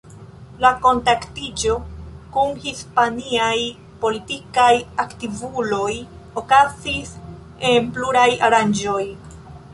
La kontaktiĝo kun hispaniaj politikaj aktivuloj okazis en pluraj aranĝoj.